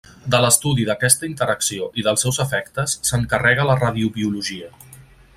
De l'estudi d'aquesta interacció i dels seus efectes s'encarrega la radiobiologia.